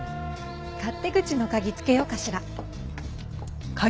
勝手口の鍵つけようかしら。